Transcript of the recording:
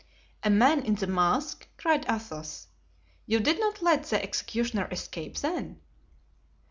"A man in a mask?" cried Athos. "You did not let the executioner escape, then?"